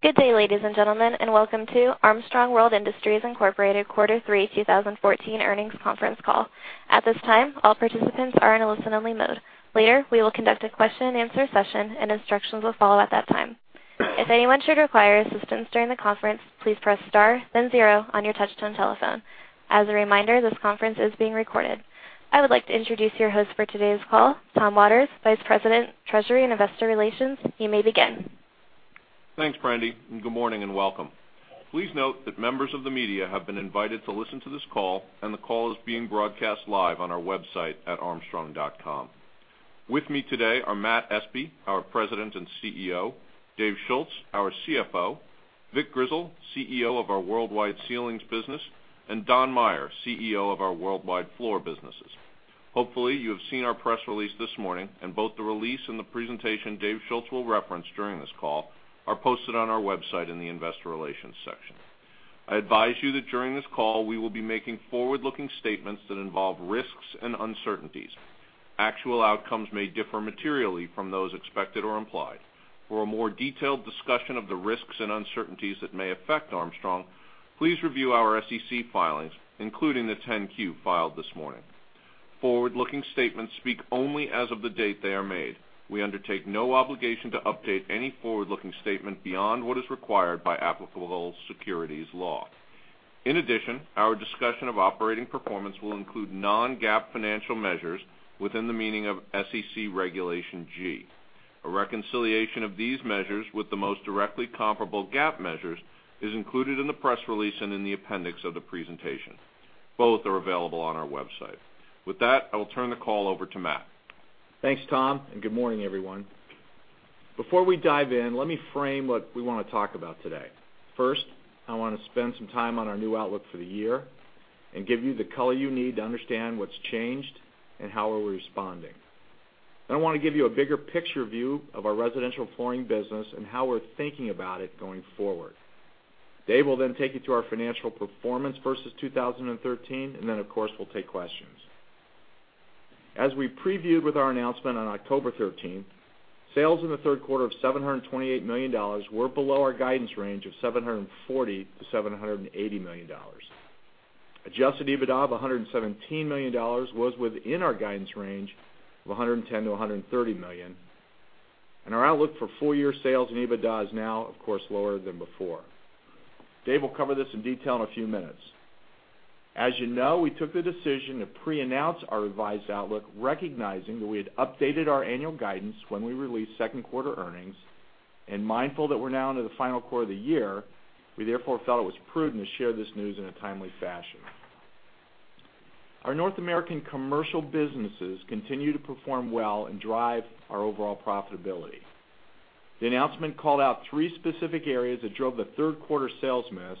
Good day, ladies and gentlemen, and welcome to Armstrong World Industries Incorporated Q3 2014 Earnings Conference Call. At this time, all participants are in a listen-only mode. Later, we will conduct a question and answer session and instructions will follow at that time. If anyone should require assistance during the conference, please press star then zero on your touch-tone telephone. As a reminder, this conference is being recorded. I would like to introduce your host for today's call, Tom Waters, Vice President, Treasury and Investor Relations. You may begin. Thanks, Brandy, good morning and welcome. Please note that members of the media have been invited to listen to this call, and the call is being broadcast live on our website at armstrong.com. With me today are Matt Espe, our President and CEO, Dave Schulz, our CFO, Vic Grizzle, CEO of our worldwide ceilings business, and Don Maier, CEO of our worldwide floor businesses. Hopefully, you have seen our press release this morning, and both the release and the presentation Dave Schulz will reference during this call are posted on our website in the investor relations section. I advise that during this call, we will be making forward-looking statements that involve risks and uncertainties. Actual outcomes may differ materially from those expected or implied. For a more detailed discussion of the risks and uncertainties that may affect Armstrong, please review our SEC filings, including the 10-Q filed this morning. Forward-looking statements speak only as of the date they are made. We undertake no obligation to update any forward-looking statement beyond what is required by applicable securities law. In addition, our discussion of operating performance will include non-GAAP financial measures within the meaning of SEC Regulation G. A reconciliation of these measures with the most directly comparable GAAP measures is included in the press release and in the appendix of the presentation. Both are available on our website. With that, I will turn the call over to Matt. Thanks, Tom, good morning, everyone. Before we dive in, let me frame what we want to talk about today. First, I want to spend some time on our new outlook for the year and give you the color you need to understand what's changed and how we're responding. Then I want to give you a bigger picture view of our residential flooring business and how we're thinking about it going forward. Dave will then take you through our financial performance versus 2013, and then of course, we'll take questions. As we previewed with our announcement on October 13th, sales in the third quarter of $728 million were below our guidance range of $740 million-$780 million. Adjusted EBITDA of $117 million was within our guidance range of $110 million-$130 million. And our outlook for full-year sales and EBITDA is now, of course, lower than before. Dave will cover this in detail in a few minutes. As you know, we took the decision to preannounce our revised outlook, recognizing that we had updated our annual guidance when we released second quarter earnings. Mindful that we're now into the final quarter of the year, we therefore felt it was prudent to share this news in a timely fashion. Our North American commercial businesses continue to perform well and drive our overall profitability. The announcement called out three specific areas that drove the third-quarter sales miss,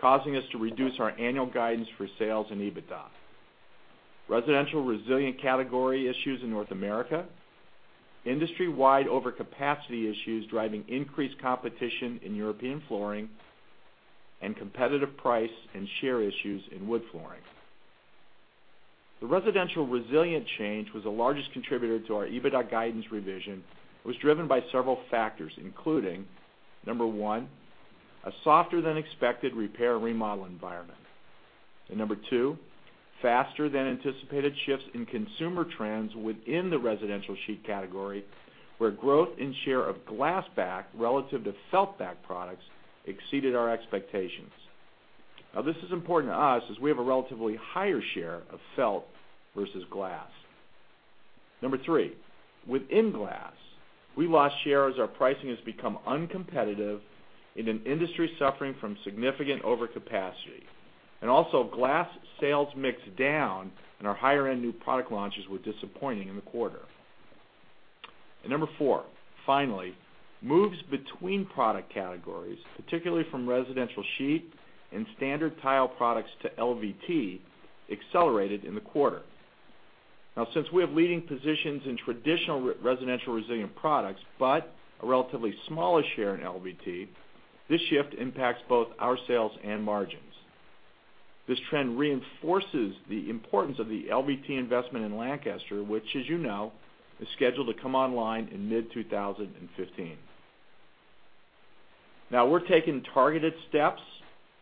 causing us to reduce our annual guidance for sales and EBITDA. Residential resilient category issues in North America, industry-wide overcapacity issues driving increased competition in European flooring, and competitive price and share issues in wood flooring. The residential resilient change was the largest contributor to our EBITDA guidance revision, was driven by several factors, including, number 1, a softer than expected repair and remodel environment. Number 2, faster than anticipated shifts in consumer trends within the residential sheet category, where growth in share of glass back relative to felt back products exceeded our expectations. This is important to us as we have a relatively higher share of felt versus glass. Number 3, within glass, we lost share as our pricing has become uncompetitive in an industry suffering from significant overcapacity. Also glass sales mixed down and our higher-end new product launches were disappointing in the quarter. Number 4, finally, moves between product categories, particularly from residential sheet and standard tile products to LVT, accelerated in the quarter. Since we have leading positions in traditional residential resilient products, but a relatively smaller share in LVT, this shift impacts both our sales and margins. This trend reinforces the importance of the LVT investment in Lancaster, which as you know, is scheduled to come online in mid-2015. We're taking targeted steps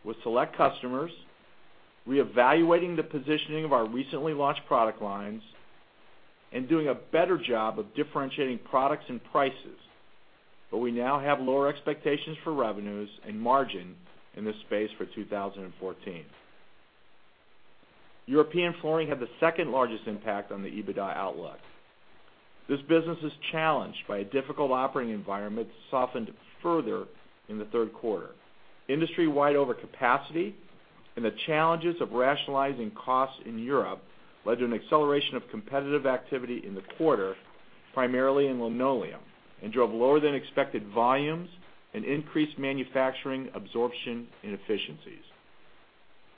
with select customers, reevaluating the positioning of our recently launched product lines, and doing a better job of differentiating products and prices, but we now have lower expectations for revenues and margin in this space for 2014. European flooring had the second-largest impact on the EBITDA outlook. This business is challenged by a difficult operating environment that softened further in the third quarter. Industry-wide overcapacity and the challenges of rationalizing costs in Europe led to an acceleration of competitive activity in the quarter, primarily in linoleum, and drove lower than expected volumes and increased manufacturing absorption inefficiencies.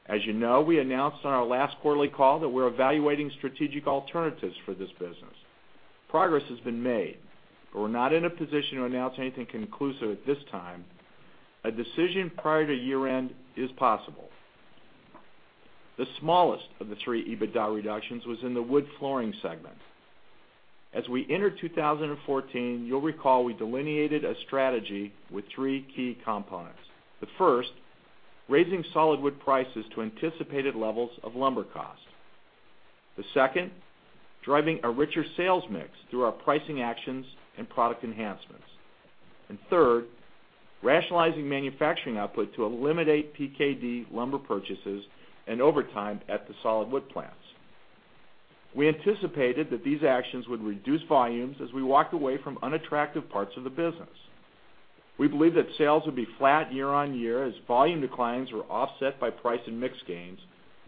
As you know, we announced on our last quarterly call that we're evaluating strategic alternatives for this business. Progress has been made, but we're not in a position to announce anything conclusive at this time. A decision prior to year-end is possible. The smallest of the three EBITDA reductions was in the wood flooring segment. As we entered 2014, you'll recall, we delineated a strategy with 3 key components. First, raising solid wood prices to anticipated levels of lumber cost. Second, driving a richer sales mix through our pricing actions and product enhancements. Third, rationalizing manufacturing output to eliminate PKD lumber purchases and overtime at the solid wood plants. We anticipated that these actions would reduce volumes as we walked away from unattractive parts of the business. We believe that sales would be flat year-on-year as volume declines were offset by price and mix gains,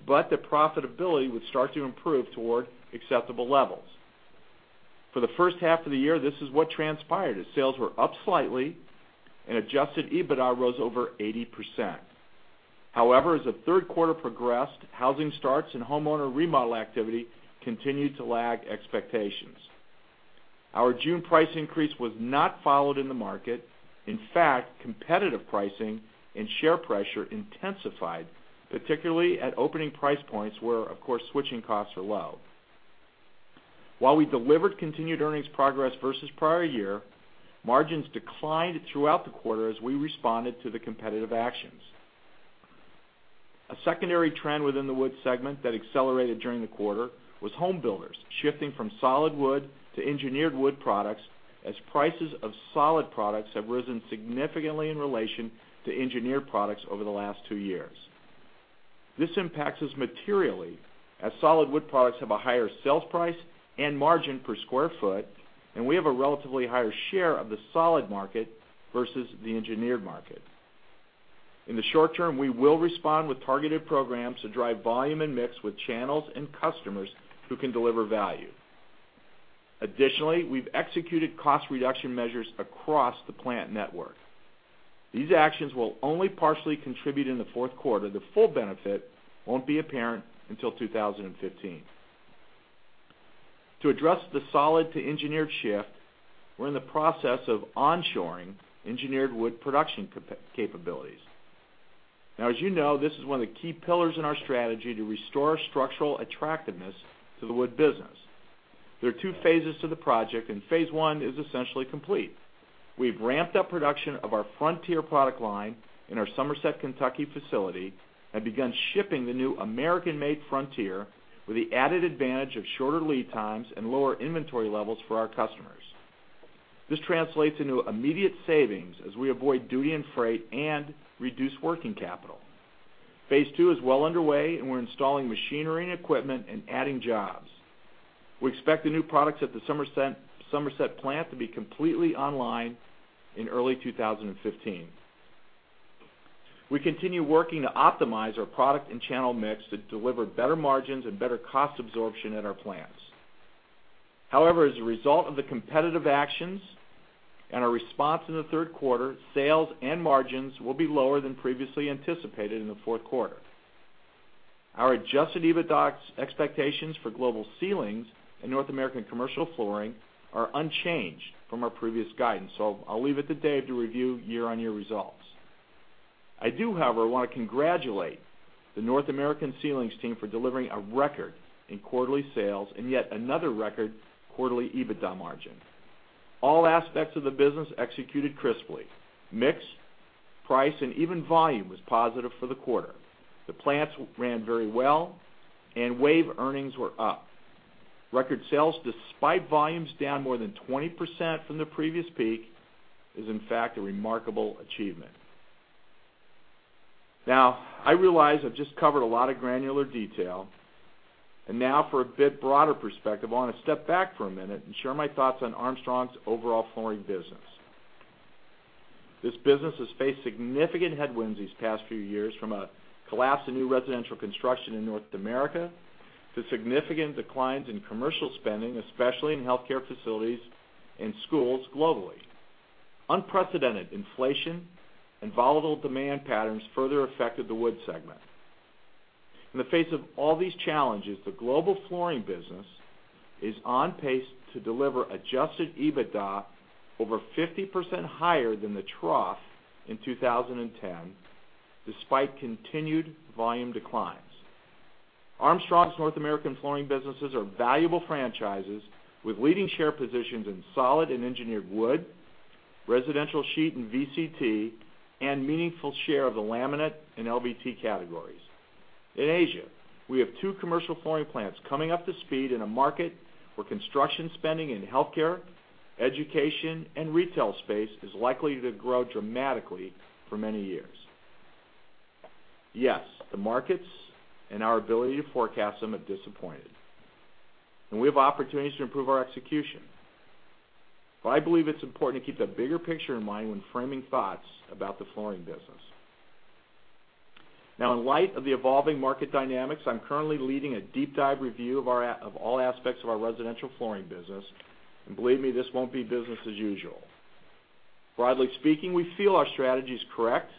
but that profitability would start to improve toward acceptable levels. For the first half of the year, this is what transpired, as sales were up slightly and adjusted EBITDA rose over 80%. As the third quarter progressed, housing starts and homeowner remodel activity continued to lag expectations. Our June price increase was not followed in the market. In fact, competitive pricing and share pressure intensified, particularly at opening price points where, of course, switching costs are low. While we delivered continued earnings progress versus prior year, margins declined throughout the quarter as we responded to the competitive actions. A secondary trend within the woods segment that accelerated during the quarter was home builders shifting from solid wood to engineered wood products as prices of solid products have risen significantly in relation to engineered products over the last two years. This impacts us materially as solid wood products have a higher sales price and margin per square foot, and we have a relatively higher share of the solid market versus the engineered market. In the short term, we will respond with targeted programs to drive volume and mix with channels and customers who can deliver value. Additionally, we've executed cost reduction measures across the plant network. These actions will only partially contribute in the fourth quarter. The full benefit won't be apparent until 2015. To address the solid to engineered shift, we're in the process of onshoring engineered wood production capabilities. As you know, this is one of the key pillars in our strategy to restore structural attractiveness to the wood business. There are two phases to the project, and phase one is essentially complete. We've ramped up production of our Frontier product line in our Somerset, Kentucky facility and begun shipping the new American-made Frontier with the added advantage of shorter lead times and lower inventory levels for our customers. This translates into immediate savings as we avoid duty and freight and reduce working capital. Phase two is well underway. We're installing machinery and equipment and adding jobs. We expect the new products at the Somerset plant to be completely online in early 2015. We continue working to optimize our product and channel mix to deliver better margins and better cost absorption at our plants. As a result of the competitive actions and our response in the third quarter, sales and margins will be lower than previously anticipated in the fourth quarter. Our adjusted EBITDA expectations for Global Ceilings and North American Commercial Flooring are unchanged from our previous guidance. I'll leave it to Dave to review year-on-year results. I do, however, want to congratulate the North American Ceilings team for delivering a record in quarterly sales and yet another record quarterly EBITDA margin. All aspects of the business executed crisply. Mix, price, and even volume was positive for the quarter. The plants ran very well. WAVE earnings were up. Record sales, despite volumes down more than 20% from the previous peak, is in fact a remarkable achievement. Now, I realize I've just covered a lot of granular detail. Now for a bit broader perspective, I want to step back for a minute and share my thoughts on Armstrong's overall flooring business. This business has faced significant headwinds these past few years from a collapse in new residential construction in North America to significant declines in commercial spending, especially in healthcare facilities and schools globally. Unprecedented inflation and volatile demand patterns further affected the wood segment. In the face of all these challenges, the global flooring business is on pace to deliver adjusted EBITDA over 50% higher than the trough in 2010, despite continued volume declines. Armstrong's North American flooring businesses are valuable franchises with leading share positions in solid and engineered wood, residential sheet and VCT, and meaningful share of the laminate and LVT categories. In Asia, we have two commercial flooring plants coming up to speed in a market where construction spending in healthcare, education, and retail space is likely to grow dramatically for many years. Yes, the markets and our ability to forecast them have disappointed, and we have opportunities to improve our execution. But I believe it's important to keep the bigger picture in mind when framing thoughts about the flooring business. Now, in light of the evolving market dynamics, I'm currently leading a deep dive review of all aspects of our residential flooring business. And believe me, this won't be business as usual. Broadly speaking, we feel our strategy is correct.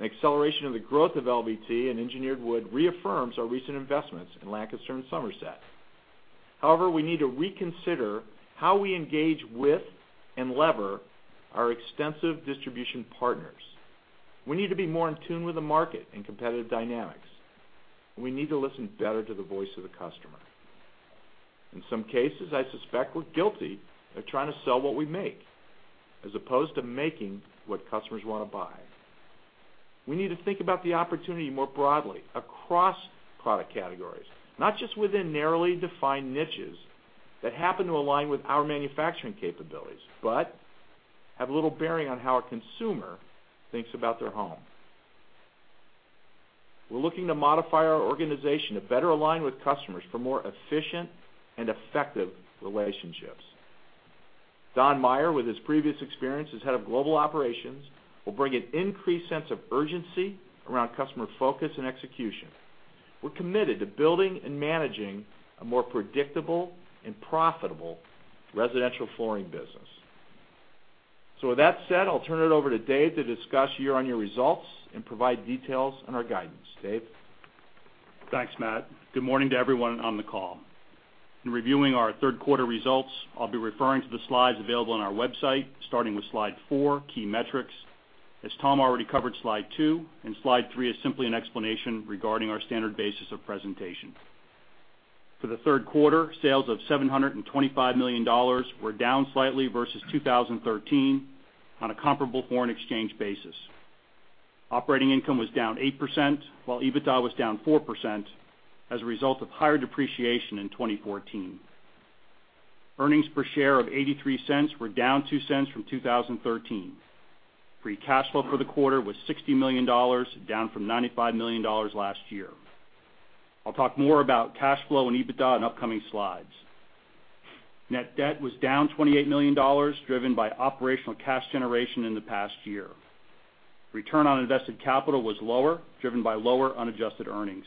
An acceleration of the growth of LVT and engineered wood reaffirms our recent investments in Lancaster and Somerset. However, we need to reconsider how we engage with and lever our extensive distribution partners. We need to be more in tune with the market and competitive dynamics. We need to listen better to the voice of the customer. In some cases, I suspect we're guilty of trying to sell what we make as opposed to making what customers want to buy. We need to think about the opportunity more broadly across product categories, not just within narrowly defined niches that happen to align with our manufacturing capabilities, but have little bearing on how a consumer thinks about their home. We're looking to modify our organization to better align with customers for more efficient and effective relationships. Don Maier, with his previous experience as Head of Global Operations, will bring an increased sense of urgency around customer focus and execution. We're committed to building and managing a more predictable and profitable residential flooring business. With that said, I'll turn it over to Dave to discuss year-on-year results and provide details on our guidance. Dave? Thanks, Matt. Good morning to everyone on the call. In reviewing our third quarter results, I'll be referring to the slides available on our website, starting with Slide four, Key Metrics, as Tom already covered Slide two, and Slide three is simply an explanation regarding our standard basis of presentation. For the third quarter, sales of $725 million were down slightly versus 2013 on a comparable foreign exchange basis. Operating income was down 8%, while EBITDA was down 4% as a result of higher depreciation in 2014. Earnings per share of $0.83 were down $0.02 from 2013. Free cash flow for the quarter was $60 million, down from $95 million last year. I'll talk more about cash flow and EBITDA in upcoming slides. Net debt was down $248 million, driven by operational cash generation in the past year. Return on invested capital was lower, driven by lower unadjusted earnings.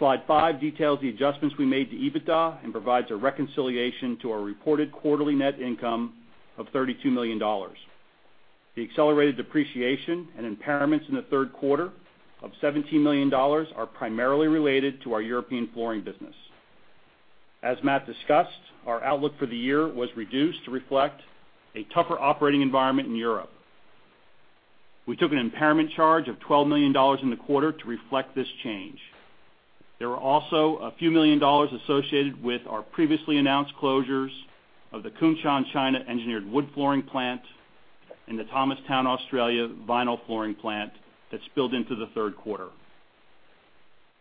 Slide five details the adjustments we made to EBITDA and provides a reconciliation to our reported quarterly net income of $32 million. The accelerated depreciation and impairments in the third quarter of $17 million are primarily related to our European flooring business. As Matt discussed, our outlook for the year was reduced to reflect a tougher operating environment in Europe. We took an impairment charge of $12 million in the quarter to reflect this change. There were also a few million dollars associated with our previously announced closures of the Kunshan, China engineered wood flooring plant and the Thomastown, Australia vinyl flooring plant that spilled into the third quarter.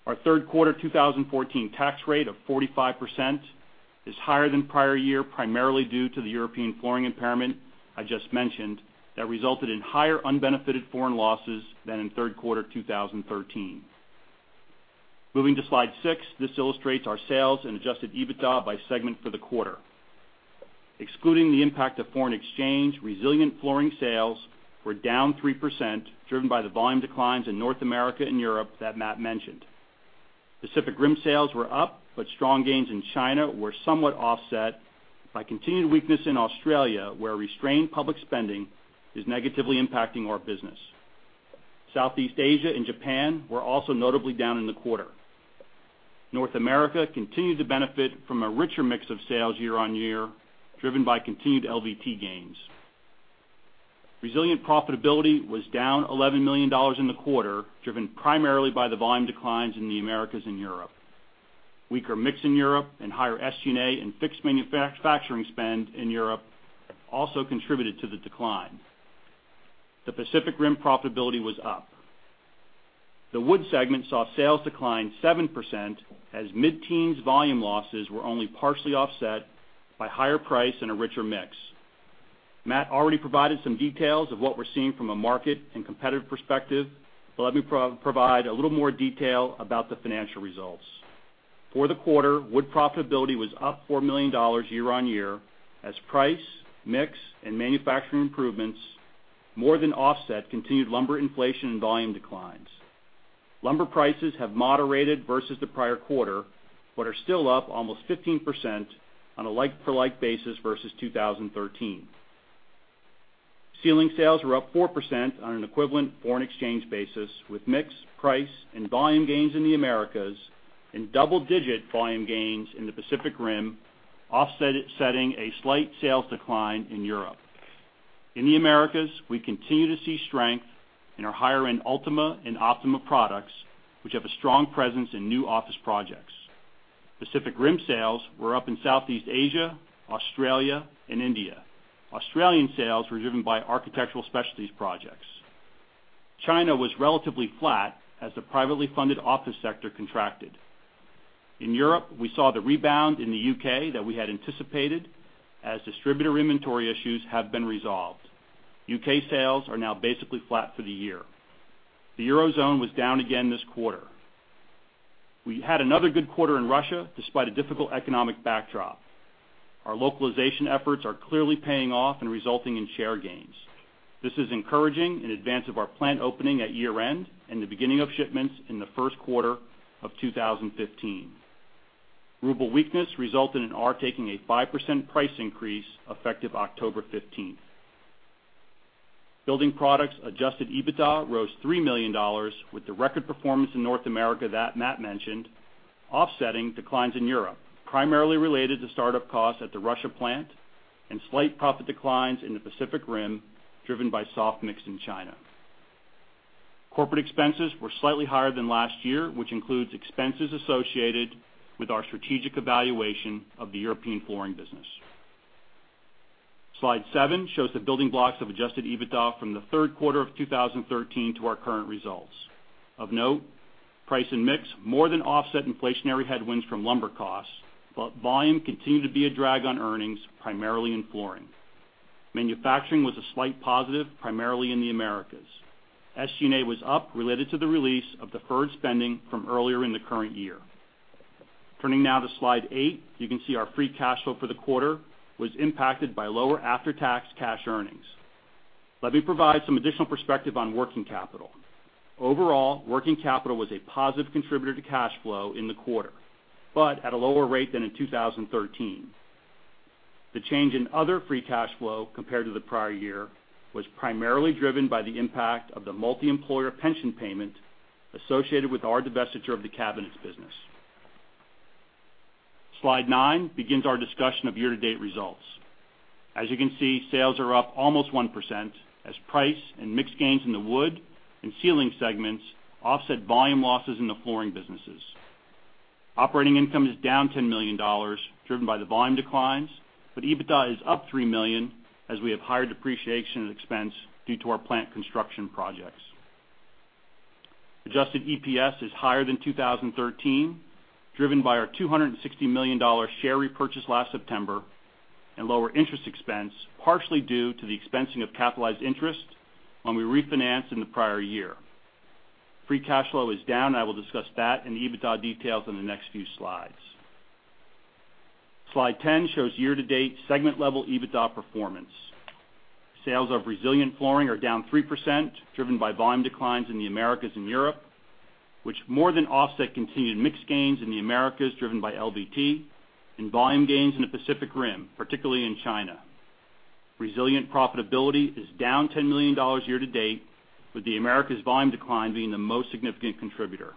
Our third quarter 2014 tax rate of 45% is higher than prior year, primarily due to the European flooring impairment I just mentioned that resulted in higher unbenefited foreign losses than in third quarter 2013. Moving to Slide six, this illustrates our sales and adjusted EBITDA by segment for the quarter. Excluding the impact of foreign exchange, resilient flooring sales were down 3%, driven by the volume declines in North America and Europe that Matt mentioned. Pacific Rim sales were up, but strong gains in China were somewhat offset by continued weakness in Australia, where restrained public spending is negatively impacting our business. Southeast Asia and Japan were also notably down in the quarter. North America continued to benefit from a richer mix of sales year-on-year, driven by continued LVT gains. Resilient profitability was down $11 million in the quarter, driven primarily by the volume declines in the Americas and Europe. Weaker mix in Europe and higher SG&A and fixed manufacturing spend in Europe also contributed to the decline. The Pacific Rim profitability was up. The wood segment saw sales decline 7% as mid-teens volume losses were only partially offset by higher price and a richer mix. Matt already provided some details of what we're seeing from a market and competitive perspective. Let me provide a little more detail about the financial results. For the quarter, wood profitability was up $4 million year-on-year as price, mix, and manufacturing improvements more than offset continued lumber inflation and volume declines. Lumber prices have moderated versus the prior quarter but are still up almost 15% on a like-for-like basis versus 2013. Ceiling sales were up 4% on an equivalent foreign exchange basis, with mix, price, and volume gains in the Americas and double-digit volume gains in the Pacific Rim offsetting a slight sales decline in Europe. In the Americas, we continue to see strength in our higher-end Ultima and Optima products, which have a strong presence in new office projects. Pacific Rim sales were up in Southeast Asia, Australia, and India. Australian sales were driven by architectural specialties projects. China was relatively flat as the privately funded office sector contracted. In Europe, we saw the rebound in the U.K. that we had anticipated as distributor inventory issues have been resolved. U.K. sales are now basically flat for the year. The Eurozone was down again this quarter. We had another good quarter in Russia despite a difficult economic backdrop. Our localization efforts are clearly paying off and resulting in share gains. This is encouraging in advance of our plant opening at year-end and the beginning of shipments in the first quarter of 2015. Ruble weakness resulted in our taking a 5% price increase effective October 15th. Building products adjusted EBITDA rose $3 million with the record performance in North America that Matt mentioned, offsetting declines in Europe, primarily related to start-up costs at the Russia plant and slight profit declines in the Pacific Rim, driven by soft mix in China. Corporate expenses were slightly higher than last year, which includes expenses associated with our strategic evaluation of the European flooring business. Slide seven shows the building blocks of adjusted EBITDA from the third quarter of 2013 to our current results. Of note, price and mix more than offset inflationary headwinds from lumber costs, volume continued to be a drag on earnings, primarily in flooring. Manufacturing was a slight positive, primarily in the Americas. SG&A was up related to the release of deferred spending from earlier in the current year. Turning now to slide eight, you can see our free cash flow for the quarter was impacted by lower after-tax cash earnings. Let me provide some additional perspective on working capital. Overall, working capital was a positive contributor to cash flow in the quarter, at a lower rate than in 2013. The change in other free cash flow compared to the prior year was primarily driven by the impact of the multi-employer pension payment associated with our divestiture of the cabinets business. Slide nine begins our discussion of year-to-date results. As you can see, sales are up almost 1% as price and mix gains in the wood and ceiling segments offset volume losses in the flooring businesses. Operating income is down $10 million, driven by the volume declines, EBITDA is up $3 million as we have higher depreciation expense due to our plant construction projects. Adjusted EPS is higher than 2013, driven by our $260 million share repurchase last September and lower interest expense, partially due to the expensing of capitalized interest when we refinanced in the prior year. Free cash flow is down. I will discuss that and the EBITDA details in the next few slides. Slide 10 shows year-to-date segment-level EBITDA performance. Sales of resilient flooring are down 3%, driven by volume declines in the Americas and Europe, which more than offset continued mix gains in the Americas, driven by LVT, and volume gains in the Pacific Rim, particularly in China. Resilient profitability is down $10 million year to date, with the Americas volume decline being the most significant contributor.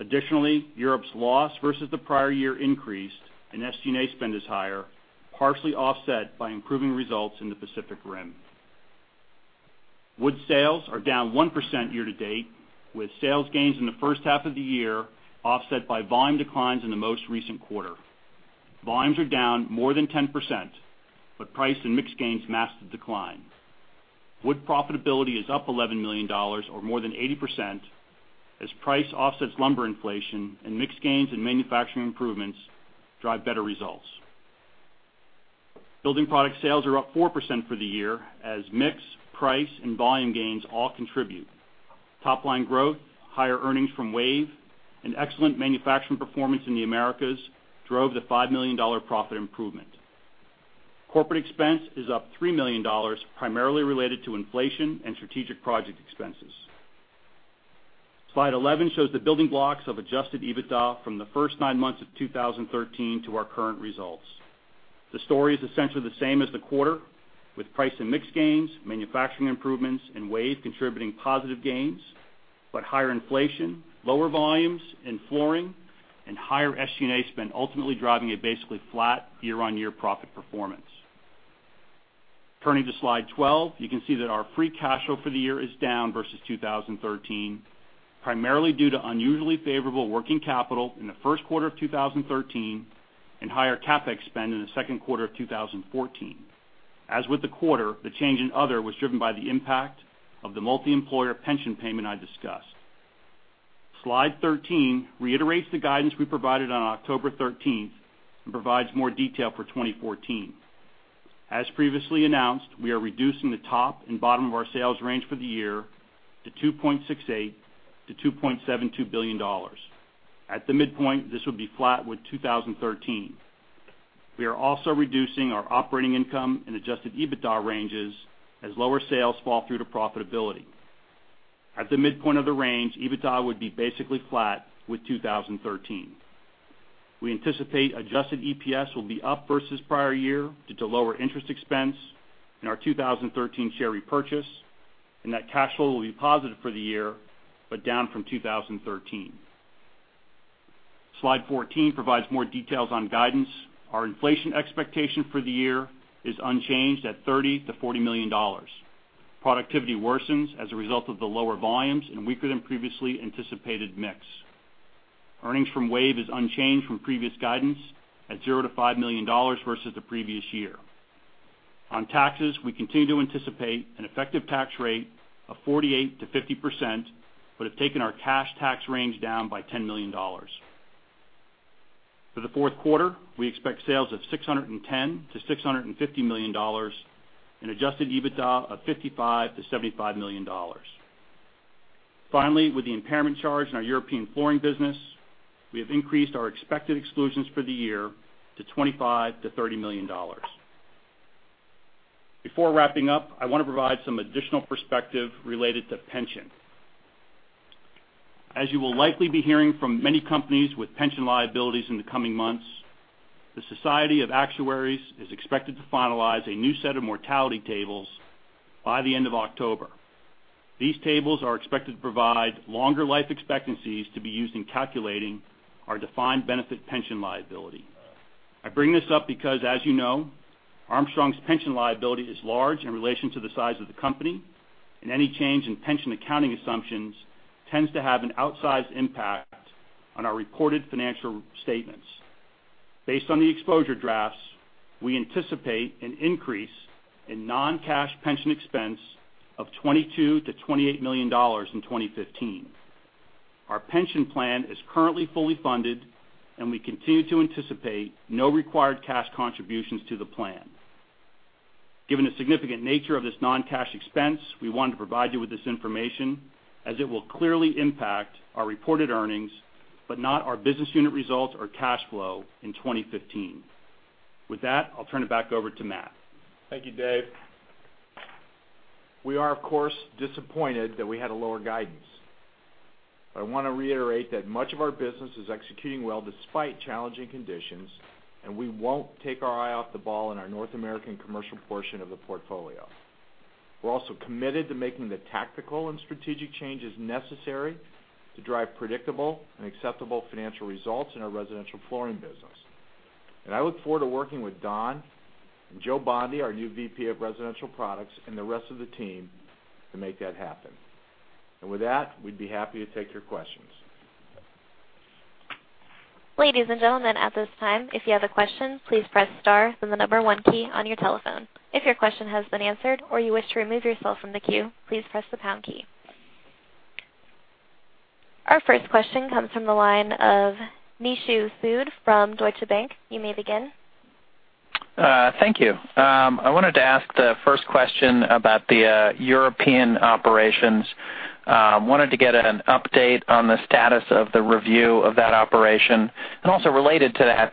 Additionally, Europe's loss versus the prior year increased, and SG&A spend is higher, partially offset by improving results in the Pacific Rim. Wood sales are down 1% year to date, with sales gains in the first half of the year offset by volume declines in the most recent quarter. Volumes are down more than 10%, but price and mix gains mask the decline. Wood profitability is up $11 million, or more than 80%, as price offsets lumber inflation and mix gains and manufacturing improvements drive better results. Building product sales are up 4% for the year as mix, price, and volume gains all contribute. Top-line growth, higher earnings from WAVE, and excellent manufacturing performance in the Americas drove the $5 million profit improvement. Corporate expense is up $3 million, primarily related to inflation and strategic project expenses. Slide 11 shows the building blocks of adjusted EBITDA from the first nine months of 2013 to our current results. The story is essentially the same as the quarter, with price and mix gains, manufacturing improvements, and WAVE contributing positive gains, but higher inflation, lower volumes in flooring, and higher SG&A spend ultimately driving a basically flat year-on-year profit performance. Turning to slide 12, you can see that our free cash flow for the year is down versus 2013, primarily due to unusually favorable working capital in the first quarter of 2013 and higher CapEx spend in the second quarter of 2014. As with the quarter, the change in other was driven by the impact of the multi-employer pension payment I discussed. Slide 13 reiterates the guidance we provided on October 13th and provides more detail for 2014. As previously announced, we are reducing the top and bottom of our sales range for the year to $2.68 billion-$2.72 billion. At the midpoint, this would be flat with 2013. We are also reducing our operating income and adjusted EBITDA ranges as lower sales fall through to profitability. At the midpoint of the range, EBITDA would be basically flat with 2013. We anticipate adjusted EPS will be up versus prior year due to lower interest expense in our 2013 share repurchase, and that cash flow will be positive for the year, but down from 2013. Slide 14 provides more details on guidance. Our inflation expectation for the year is unchanged at $30 million-$40 million. Productivity worsens as a result of the lower volumes and weaker than previously anticipated mix. Earnings from WAVE is unchanged from previous guidance at $0-$5 million versus the previous year. On taxes, we continue to anticipate an effective tax rate of 48%-50% but have taken our cash tax range down by $10 million. For the fourth quarter, we expect sales of $610 million-$650 million and adjusted EBITDA of $55 million-$75 million. Finally, with the impairment charge in our European flooring business, we have increased our expected exclusions for the year to $25 million-$30 million. Before wrapping up, I want to provide some additional perspective related to pension. As you will likely be hearing from many companies with pension liabilities in the coming months, the Society of Actuaries is expected to finalize a new set of mortality tables by the end of October. These tables are expected to provide longer life expectancies to be used in calculating our defined benefit pension liability. I bring this up because, as you know, Armstrong's pension liability is large in relation to the size of the company, and any change in pension accounting assumptions tends to have an outsized impact on our reported financial statements. Based on the exposure drafts, we anticipate an increase in non-cash pension expense of $22 million-$28 million in 2015. Our pension plan is currently fully funded, and we continue to anticipate no required cash contributions to the plan. Given the significant nature of this non-cash expense, we wanted to provide you with this information as it will clearly impact our reported earnings, but not our business unit results or cash flow in 2015. With that, I will turn it back over to Matt. Thank you, Dave. We are, of course, disappointed that we had a lower guidance. But I want to reiterate that much of our business is executing well despite challenging conditions, and we will not take our eye off the ball in our North American commercial portion of the portfolio. We are also committed to making the tactical and strategic changes necessary to drive predictable and acceptable financial results in our residential flooring business. And I look forward to working with Don and Joe Bondi, our new VP of Residential Products, and the rest of the team to make that happen. With that, we would be happy to take your questions. Ladies and gentlemen, at this time, if you have a question, please press star, then the number 1 key on your telephone. If your question has been answered or you wish to remove yourself from the queue, please press the pound key. Our first question comes from the line of Nishu Sood from Deutsche Bank. You may begin. Thank you. I wanted to ask the first question about the European operations. Wanted to get an update on the status of the review of that operation. Also related to that,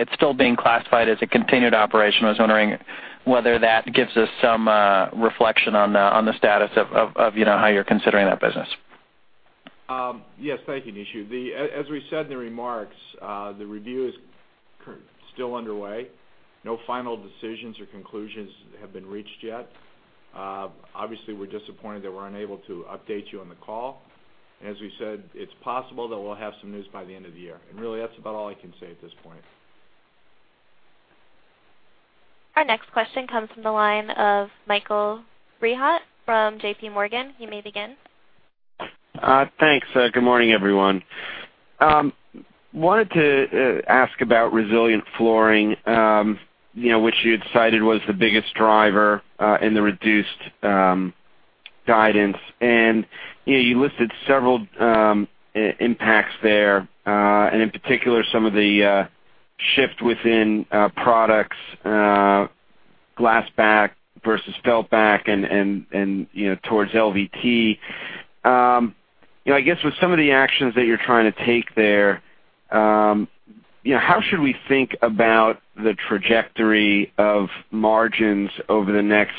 it is still being classified as a continued operation. I was wondering whether that gives us some reflection on the status of how you are considering that business. Yes. Thank you, Nishu. As we said in the remarks, the review is still underway. No final decisions or conclusions have been reached yet. Obviously, we're disappointed that we're unable to update you on the call. As we said, it's possible that we'll have some news by the end of the year. Really, that's about all I can say at this point. Our next question comes from the line of Michael Rehaut from J.P. Morgan. You may begin. Thanks. Good morning, everyone. Wanted to ask about resilient flooring, which you had cited was the biggest driver in the reduced guidance. You listed several impacts there, and in particular, some of the shift within products, glass back versus felt back and towards LVT. I guess with some of the actions that you're trying to take there, how should we think about the trajectory of margins over the next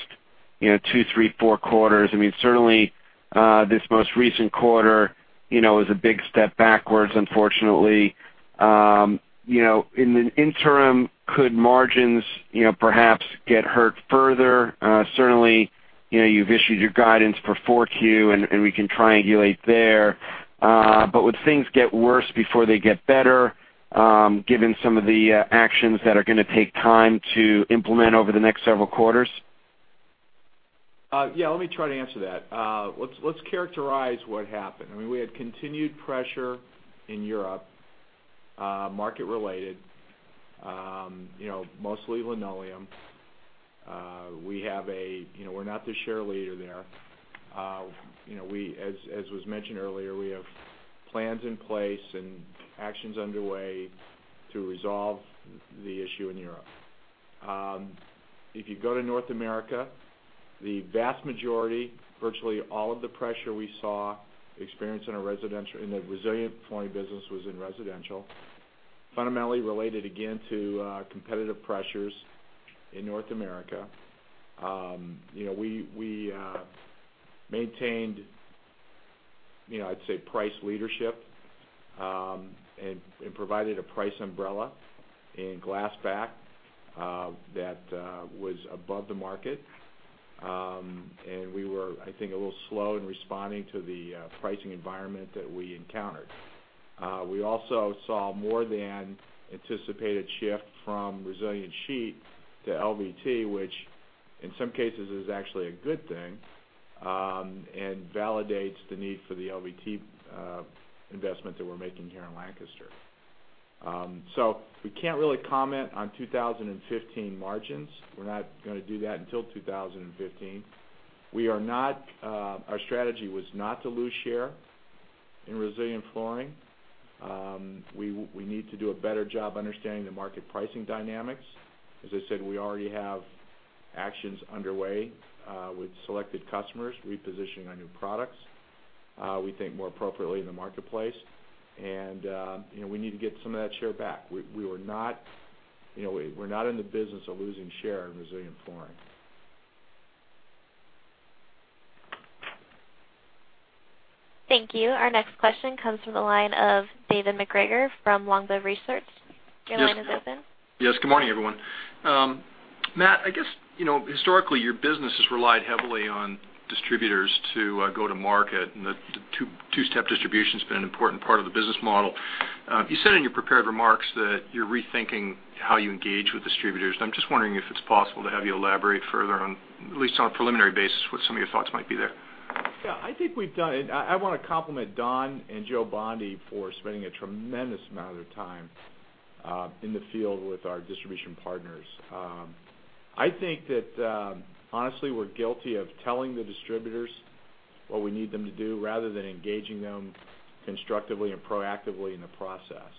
two, three, four quarters? Certainly, this most recent quarter is a big step backwards, unfortunately. In the interim, could margins perhaps get hurt further? Certainly, you've issued your guidance for 4Q, and we can triangulate there. Would things get worse before they get better, given some of the actions that are going to take time to implement over the next several quarters? Yeah, let me try to answer that. Let's characterize what happened. We had continued pressure in Europe, market related, mostly linoleum. We're not the share leader there. As was mentioned earlier, we have plans in place and actions underway to resolve the issue in Europe. If you go to North America, the vast majority, virtually all of the pressure we saw experienced in the resilient flooring business was in residential, fundamentally related, again, to competitive pressures in North America. We maintained, I'd say, price leadership and provided a price umbrella in glass back that was above the market. We were, I think, a little slow in responding to the pricing environment that we encountered. We also saw more than anticipated shift from resilient sheet to LVT, which in some cases is actually a good thing and validates the need for the LVT investment that we're making here in Lancaster. We can't really comment on 2015 margins. We're not going to do that until 2015. Our strategy was not to lose share in resilient flooring. We need to do a better job understanding the market pricing dynamics. As I said, we already have actions underway with selected customers repositioning our new products, we think more appropriately in the marketplace, and we need to get some of that share back. We're not in the business of losing share in resilient flooring. Thank you. Our next question comes from the line of David MacGregor from Longbow Research. Your line is open. Yes. Good morning, everyone. Matt, I guess, historically, your business has relied heavily on distributors to go to market, and the two-step distribution's been an important part of the business model. You said in your prepared remarks that you're rethinking how you engage with distributors, and I'm just wondering if it's possible to have you elaborate further on, at least on a preliminary basis, what some of your thoughts might be there. I want to compliment Don and Joe Bondi for spending a tremendous amount of time in the field with our distribution partners. I think that, honestly, we're guilty of telling the distributors what we need them to do rather than engaging them constructively and proactively in the process.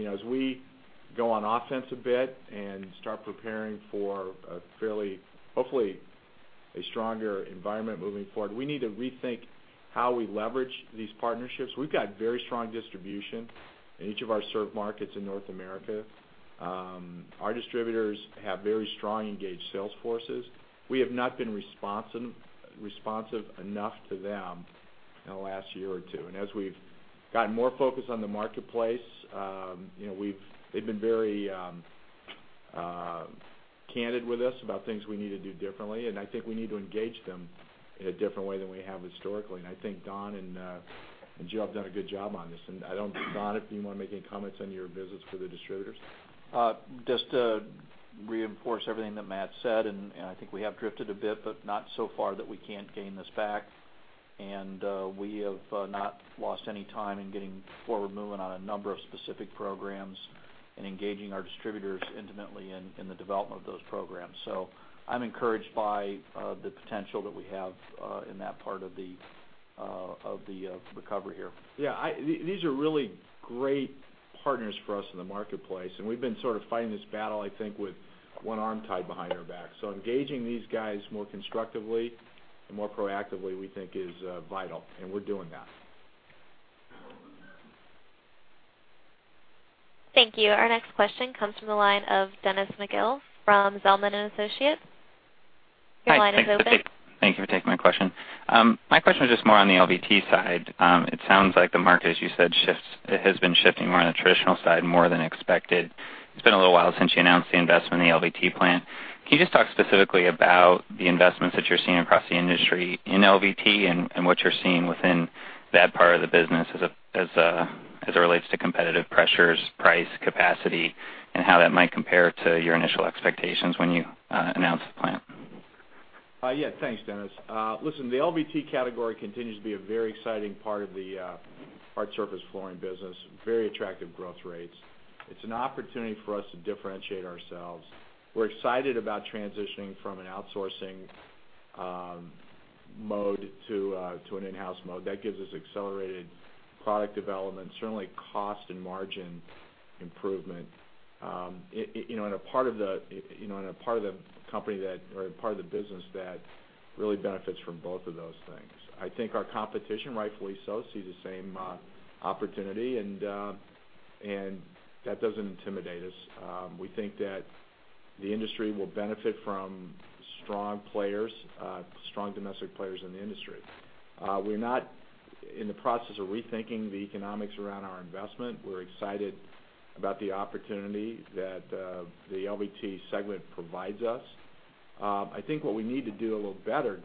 As we go on offense a bit and start preparing for, hopefully, a stronger environment moving forward, we need to rethink how we leverage these partnerships. We've got very strong distribution in each of our served markets in North America. Our distributors have very strong, engaged sales forces. We have not been responsive enough to them in the last year or two, and as we've gotten more focused on the marketplace, they've been very candid with us about things we need to do differently, and I think we need to engage them in a different way than we have historically. I think Don and Joe have done a good job on this. Don, if you want to make any comments on your visits with the distributors. Just to reinforce everything that Matt said. I think we have drifted a bit, but not so far that we can't gain this back. We have not lost any time in getting forward movement on a number of specific programs and engaging our distributors intimately in the development of those programs. I'm encouraged by the potential that we have in that part of the recovery here. Yeah, these are really great partners for us in the marketplace, and we've been sort of fighting this battle, I think, with one arm tied behind our back. Engaging these guys more constructively and more proactively, we think, is vital, and we're doing that. Thank you. Our next question comes from the line of Dennis McGill from Zelman & Associates. Your line is open. Thank you for taking my question. My question was just more on the LVT side. It sounds like the market, as you said, has been shifting more on the traditional side more than expected. It's been a little while since you announced the investment in the LVT plant. Can you just talk specifically about the investments that you're seeing across the industry in LVT and what you're seeing within that part of the business as it relates to competitive pressures, price, capacity, and how that might compare to your initial expectations when you announced the plant? Yeah. Thanks, Dennis. Listen, the LVT category continues to be a very exciting part of the hard surface flooring business, very attractive growth rates. It's an opportunity for us to differentiate ourselves. We're excited about transitioning from an outsourcing mode to an in-house mode. That gives us accelerated product development, certainly cost and margin improvement, and a part of the business that really benefits from both of those things. I think our competition, rightfully so, see the same opportunity. That doesn't intimidate us. We think that the industry will benefit from strong domestic players in the industry. We're not in the process of rethinking the economics around our investment. We're excited about the opportunity that the LVT segment provides us. I think what we need to do a little better,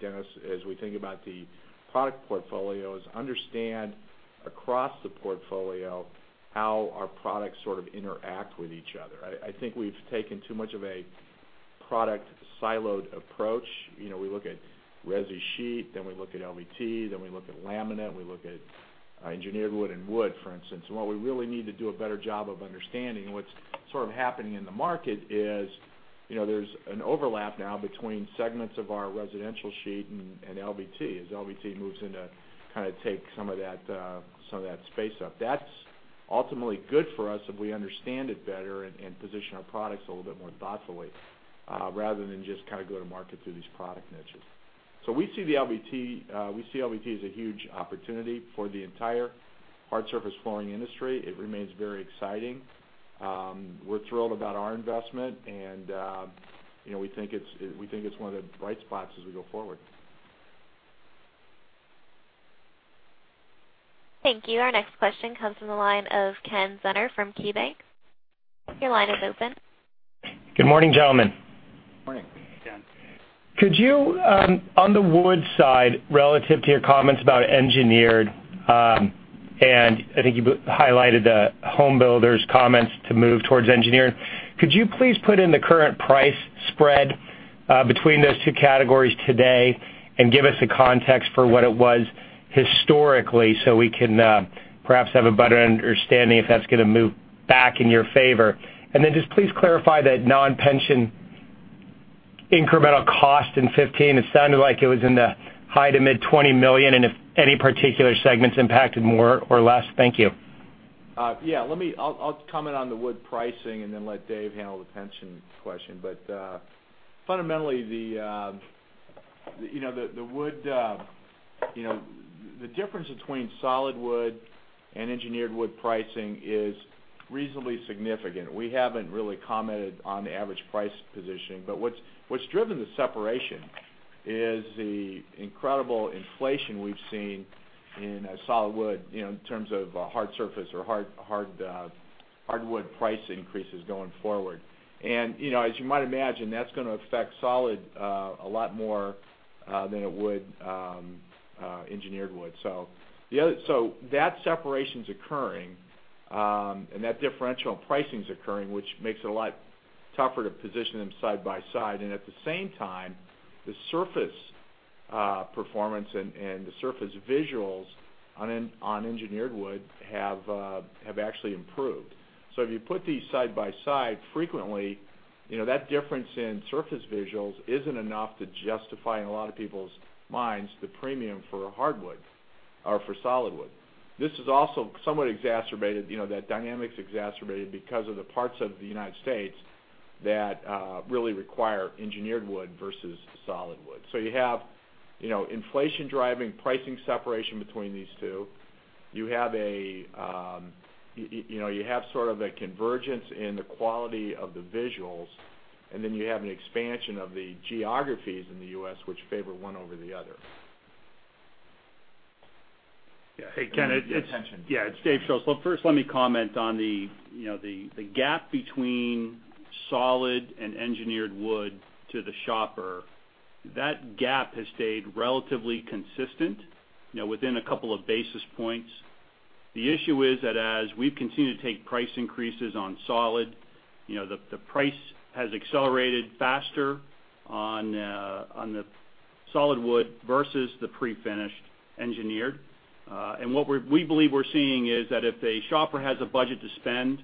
Dennis, as we think about the product portfolio, is understand across the portfolio how our products sort of interact with each other. I think we've taken too much of a product siloed approach. We look at resi sheet, then we look at LVT, then we look at laminate, we look at engineered wood and wood, for instance. What we really need to do a better job of understanding what's sort of happening in the market is there's an overlap now between segments of our residential sheet and LVT, as LVT moves into kind of take some of that space up. That's ultimately good for us if we understand it better and position our products a little bit more thoughtfully rather than just go to market through these product niches. We see LVT as a huge opportunity for the entire hard surface flooring industry. It remains very exciting. We're thrilled about our investment. We think it's one of the bright spots as we go forward. Thank you. Our next question comes from the line of Ken Zener from KeyBank. Your line is open. Good morning, gentlemen. Morning. Morning. On the wood side, relative to your comments about engineered, I think you highlighted the home builders' comments to move towards engineered, could you please put in the current price spread between those two categories today and give us a context for what it was historically so we can perhaps have a better understanding if that's going to move back in your favor? Then just please clarify that non-pension incremental cost in 2015. It sounded like it was in the high to mid $20 million. If any particular segment's impacted more or less. Thank you. I'll comment on the wood pricing and then let Dave handle the pension question. Fundamentally the difference between solid wood and engineered wood pricing is reasonably significant. We haven't really commented on the average price positioning, what's driven the separation is the incredible inflation we've seen in solid wood, in terms of hard surface or hardwood price increases going forward. As you might imagine, that's going to affect solid a lot more than it would engineered wood. That separation's occurring, and that differential in pricing's occurring, which makes it a lot tougher to position them side by side. At the same time, the surface performance and the surface visuals on engineered wood have actually improved. If you put these side by side, frequently, that difference in surface visuals isn't enough to justify, in a lot of people's minds, the premium for hardwood or for solid wood. This is also somewhat exacerbated, that dynamic's exacerbated because of the parts of the U.S. that really require engineered wood versus solid wood. You have inflation driving pricing separation between these two. You have sort of a convergence in the quality of the visuals, and then you have an expansion of the geographies in the U.S. which favor one over the other. Yeah. Hey, Ken. The pension. Yeah, it's Dave Schulz. Well, first let me comment on the gap between solid and engineered wood to the shopper. That gap has stayed relatively consistent, within a couple of basis points. The issue is that as we've continued to take price increases on solid, the price has accelerated faster on the solid wood versus the pre-finished engineered. What we believe we're seeing is that if a shopper has a budget to spend,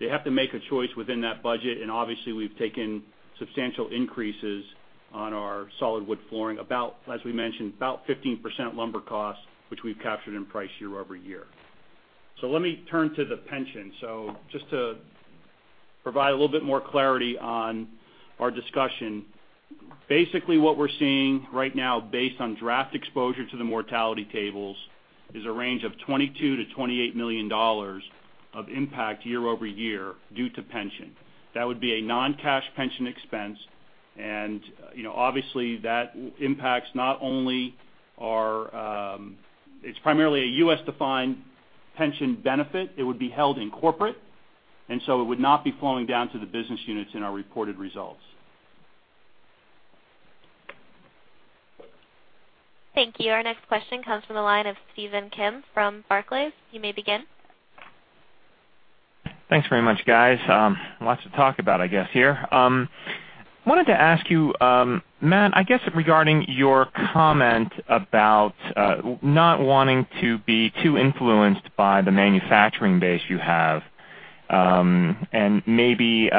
they have to make a choice within that budget, and obviously, we've taken substantial increases on our solid wood flooring, as we mentioned, about 15% lumber cost, which we've captured in price year-over-year. Let me turn to the pension. Just to provide a little bit more clarity on our discussion. What we're seeing right now, based on draft exposure to the mortality tables, is a range of $22 million to $28 million of impact year-over-year due to pension. That would be a non-cash pension expense. It's primarily a U.S.-defined pension benefit. It would be held in corporate. So it would not be flowing down to the business units in our reported results. Thank you. Our next question comes from the line of Stephen Kim from Barclays. You may begin. Thanks very much, guys. Lots to talk about, I guess here. I wanted to ask you, Matt, I guess regarding your comment about not wanting to be too influenced by the manufacturing base you have, and maybe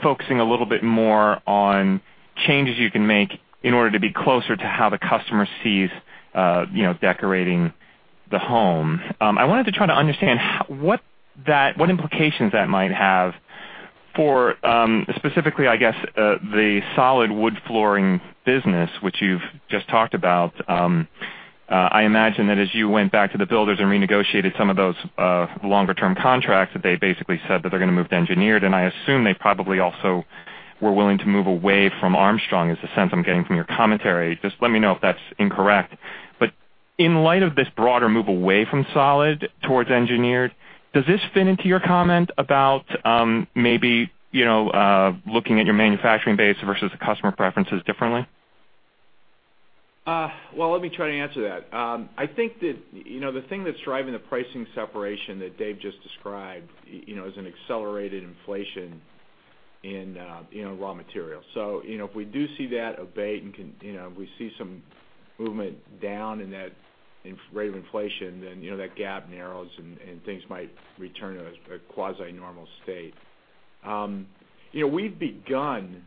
focusing a little bit more on changes you can make in order to be closer to how the customer sees decorating the home. I wanted to try to understand what implications that might have for, specifically, I guess, the solid wood flooring business, which you've just talked about. I imagine that as you went back to the builders and renegotiated some of those longer-term contracts, that they basically said that they're going to move to engineered, and I assume they probably also were willing to move away from Armstrong, is the sense I'm getting from your commentary. Just let me know if that's incorrect. In light of this broader move away from solid towards engineered, does this fit into your comment about maybe looking at your manufacturing base versus the customer preferences differently? Let me try to answer that. I think that the thing that's driving the pricing separation that Dave just described, is an accelerated inflation in raw materials. If we do see that abate and we see some movement down in that rate of inflation, that gap narrows, and things might return to a quasi-normal state. We've begun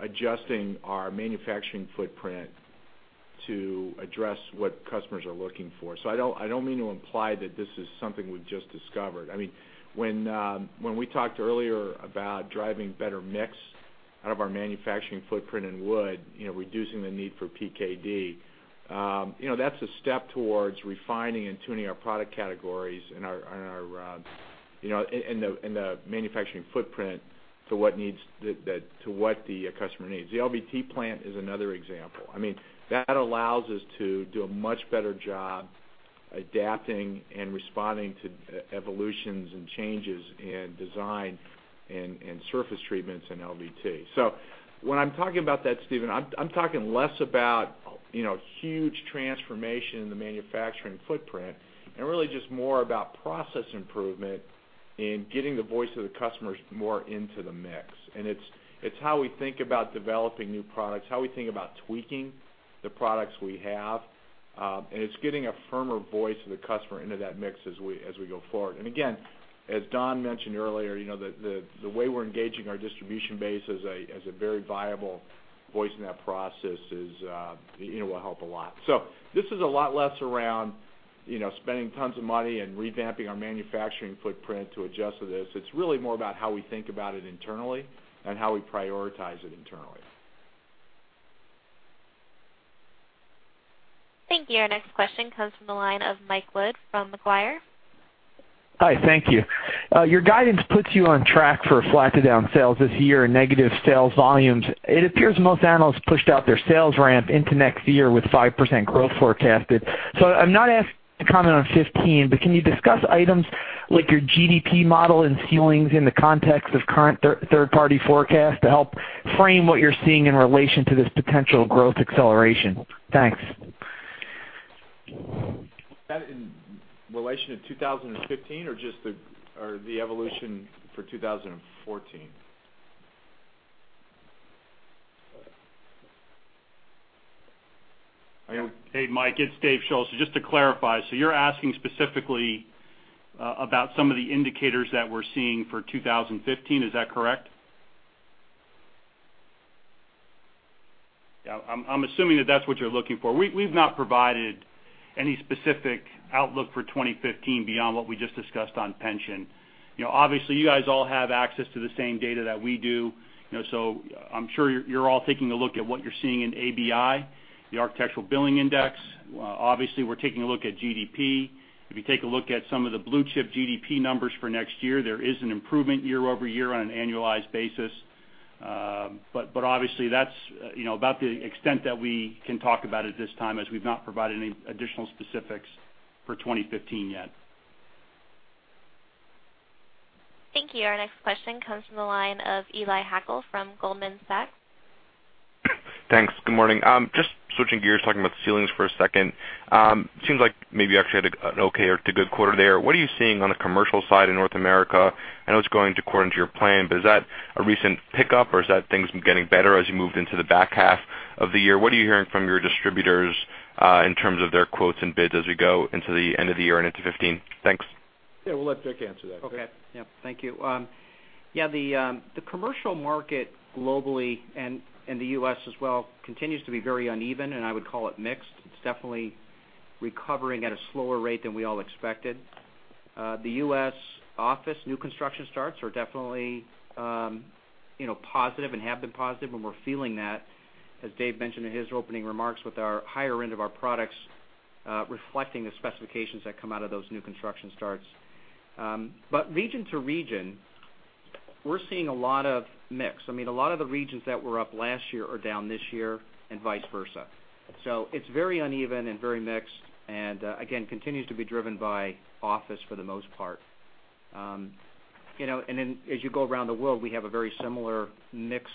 adjusting our manufacturing footprint to address what customers are looking for. I don't mean to imply that this is something we've just discovered. When we talked earlier about driving better mix out of our manufacturing footprint in wood, reducing the need for PKD, that's a step towards refining and tuning our product categories in the manufacturing footprint to what the customer needs. The LVT plant is another example. That allows us to do a much better job adapting and responding to evolutions and changes in design and surface treatments in LVT. When I'm talking about that, Stephen, I'm talking less about huge transformation in the manufacturing footprint and really just more about process improvement and getting the voice of the customers more into the mix. It's how we think about developing new products, how we think about tweaking the products we have. It's getting a firmer voice of the customer into that mix as we go forward. Again, as Don mentioned earlier, the way we're engaging our distribution base as a very viable voice in that process will help a lot. This is a lot less around spending tons of money and revamping our manufacturing footprint to adjust to this. It's really more about how we think about it internally and how we prioritize it internally. Thank you. Our next question comes from the line of Mike Wood from Macquarie. Hi, thank you. Your guidance puts you on track for flat to down sales this year and negative sales volumes. It appears most analysts pushed out their sales ramp into next year with 5% growth forecasted. I'm not asking to comment on 2015, but can you discuss items like your GDP model and ceilings in the context of current third-party forecasts to help frame what you're seeing in relation to this potential growth acceleration? Thanks. That in relation to 2015 or just the evolution for 2014? Hey, Mike, it's Dave Schulz. Just to clarify, so you're asking specifically about some of the indicators that we're seeing for 2015. Is that correct? Yeah, I'm assuming that that's what you're looking for. We've not provided any specific outlook for 2015 beyond what we just discussed on pension. Obviously, you guys all have access to the same data that we do, so I'm sure you're all taking a look at what you're seeing in ABI, the Architecture Billings Index. Obviously, we're taking a look at GDP. If you take a look at some of the blue-chip GDP numbers for next year, there is an improvement year-over-year on an annualized basis. Obviously, that's about the extent that we can talk about it this time, as we've not provided any additional specifics for 2015 yet. Thank you. Our next question comes from the line of Eli Hackel from Goldman Sachs. Thanks. Good morning. Just switching gears, talking about ceilings for a second. Seems like maybe you actually had an okay to good quarter there. What are you seeing on the commercial side in North America? I know it's going according to your plan, but is that a recent pickup, or is that things getting better as you moved into the back half of the year? What are you hearing from your distributors in terms of their quotes and bids as we go into the end of the year and into 2015? Thanks. Yeah, we'll let Rick answer that. Okay. Yeah. Thank you. The commercial market globally and in the U.S. as well, continues to be very uneven, and I would call it mixed. It's definitely recovering at a slower rate than we all expected. The U.S. office new construction starts are definitely positive and have been positive, and we're feeling that, as Dave mentioned in his opening remarks, with our higher end of our products, reflecting the specifications that come out of those new construction starts. Region to region, we're seeing a lot of mix. A lot of the regions that were up last year are down this year and vice versa. It's very uneven and very mixed, and again, continues to be driven by office for the most part. As you go around the world, we have a very similar mixed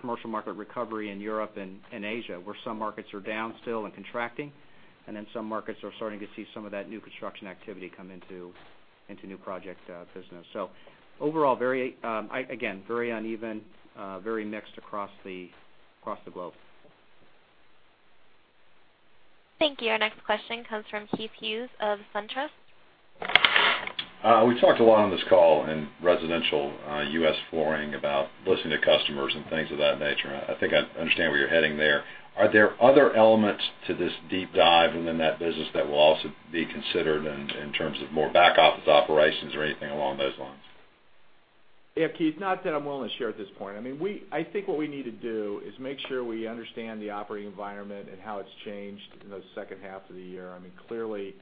commercial market recovery in Europe and Asia, where some markets are down still and contracting, some markets are starting to see some of that new construction activity come into new project business. Overall, again, very uneven, very mixed across the globe. Thank you. Our next question comes from Keith Hughes of SunTrust. We talked a lot on this call in residential U.S. flooring about listening to customers and things of that nature. I think I understand where you're heading there. Are there other elements to this deep dive within that business that will also be considered in terms of more back-office operations or anything along those lines? Yeah, Keith, not that I'm willing to share at this point. I think what we need to do is make sure we understand the operating environment and how it's changed in the second half of the year. Clearly,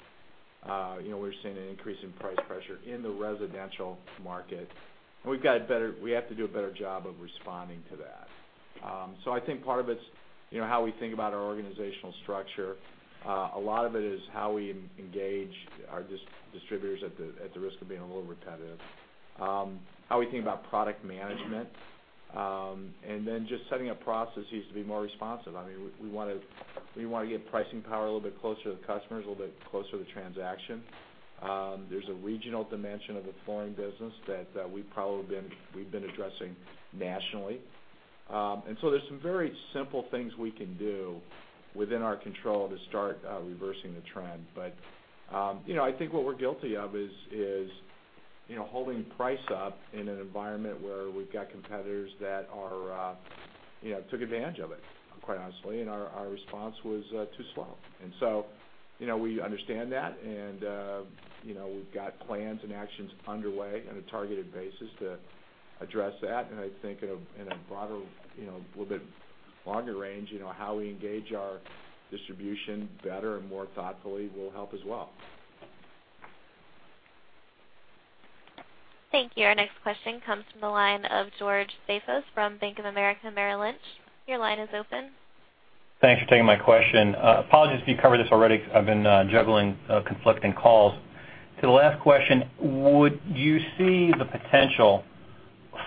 we're seeing an increase in price pressure in the residential market. We have to do a better job of responding to that. I think part of it's how we think about our organizational structure. A lot of it is how we engage our distributors, at the risk of being a little repetitive. How we think about product management, and then just setting up processes to be more responsive. We want to get pricing power a little bit closer to the customers, a little bit closer to transaction. There's a regional dimension of the flooring business that we probably we've been addressing nationally. There's some very simple things we can do within our control to start reversing the trend. I think what we're guilty of is holding price up in an environment where we've got competitors that took advantage of it, quite honestly. Our response was too slow. We understand that. We've got plans and actions underway on a targeted basis to address that. I think in a broader, little bit longer range, how we engage our distribution better and more thoughtfully will help as well. Thank you. Our next question comes from the line of George Staphos from Bank of America Merrill Lynch. Your line is open. Thanks for taking my question. Apologies if you covered this already. I've been juggling conflicting calls. To the last question, would you see the potential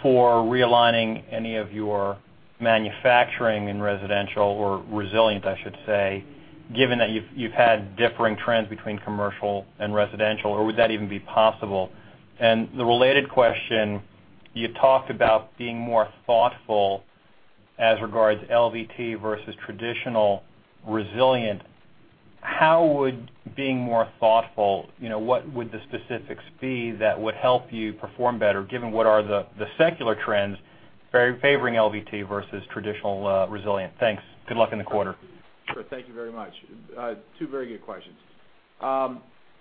for realigning any of your manufacturing in residential or resilient, I should say, given that you've had differing trends between commercial and residential, or would that even be possible? The related question, you talked about being more thoughtful as regards LVT versus traditional resilient. How would being more thoughtful, what would the specifics be that would help you perform better given what are the secular trends favoring LVT versus traditional resilient? Thanks. Good luck in the quarter. Sure. Thank you very much. Two very good questions.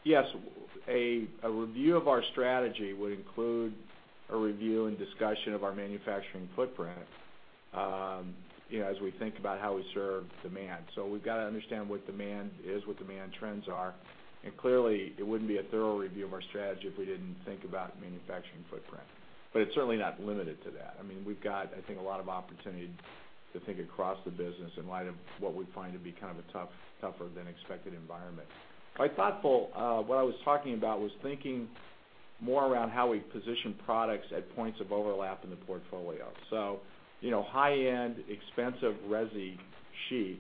Yes. A review of our strategy would include a review and discussion of our manufacturing footprint as we think about how we serve demand. We've got to understand what demand is, what demand trends are. Clearly, it wouldn't be a thorough review of our strategy if we didn't think about manufacturing footprint. It's certainly not limited to that. We've got, I think, a lot of opportunity to think across the business in light of what we find to be a tougher-than-expected environment. By thoughtful, what I was talking about was thinking more around how we position products at points of overlap in the portfolio. High-end, expensive resi sheet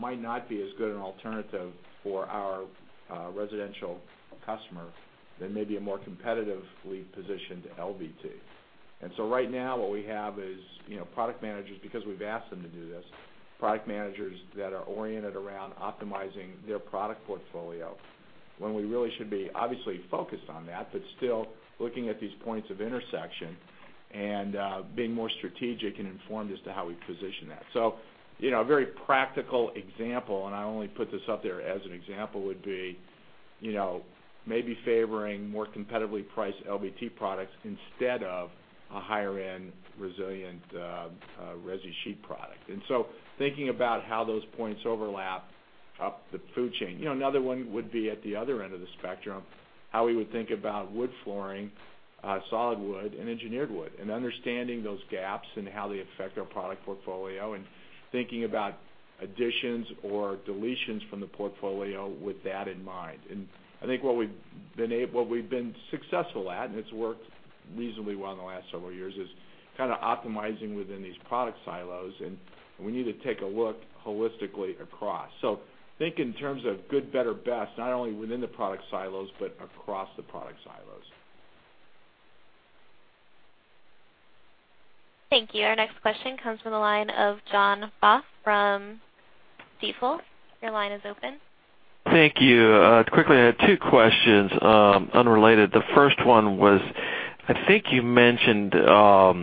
might not be as good an alternative for our residential customer than maybe a more competitively positioned LVT. Right now, what we have is product managers, because we've asked them to do this, product managers that are oriented around optimizing their product portfolio, when we really should be obviously focused on that, but still looking at these points of intersection and being more strategic and informed as to how we position that. A very practical example, and I only put this up there as an example, would be maybe favoring more competitively priced LVT products instead of a higher-end resilient resi sheet product. Thinking about how those points overlap up the food chain. Another one would be at the other end of the spectrum, how we would think about wood flooring, solid wood, and engineered wood, and understanding those gaps and how they affect our product portfolio, and thinking about additions or deletions from the portfolio with that in mind. I think what we've been successful at, and it's worked reasonably well in the last several years, is kind of optimizing within these product silos, and we need to take a look holistically across. Think in terms of good, better, best, not only within the product silos but across the product silos. Thank you. Our next question comes from the line of John Baugh from Stifel. Your line is open. Thank you. Quickly, I had two questions, unrelated. The first one was, I think you mentioned a